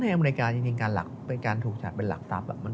อเมริกาจริงเป็นการถูกจัดเป็นหลักทรัพย์